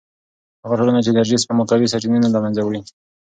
هغه ټولنه چې انرژي سپما کوي، سرچینې نه له منځه وړي.